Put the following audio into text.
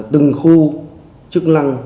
từng khu chức năng